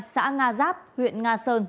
xã nga giáp huyện nga sơn